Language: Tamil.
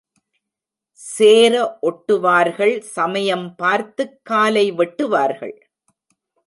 சேர ஒட்டுவார்கள் சமயம் பார்த்துக் காலை வெட்டுவார்கள்.